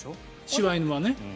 柴犬はね。